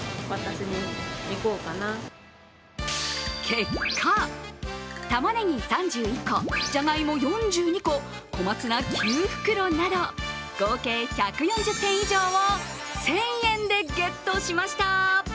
結果、たまねぎ３１個じゃがいも４２個小松菜９袋など、合計１４０点以上を１０００円でゲットしました。